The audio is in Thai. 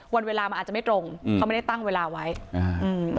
วันเวลามันอาจจะไม่ตรงอืมเขาไม่ได้ตั้งเวลาไว้อ่าอืม